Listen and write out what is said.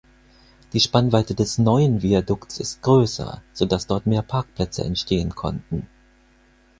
Die Spannweite des neuen Viadukts ist größer, so dass dort mehr Parkplätze entstehen konnten.